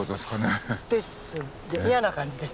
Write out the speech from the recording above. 嫌な感じです。